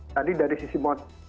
tadi dari sisi mod